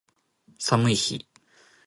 寒い日